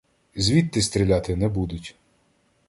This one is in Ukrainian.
Звідти стріляти не будуть.